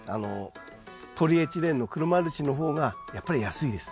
ポリエチレンの黒マルチの方がやっぱり安いです。